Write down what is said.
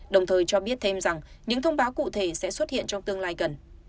đồng thời cho biết thêm rằng những thông báo cụ thể sẽ xuất hiện trong tương lai gần